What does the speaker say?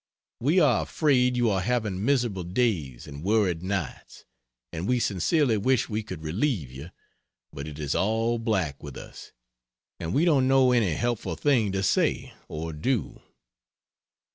We are afraid you are having miserable days and worried nights, and we sincerely wish we could relieve you, but it is all black with us and we don't know any helpful thing to say or do."